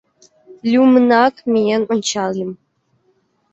Лӱмынак миен ончальым.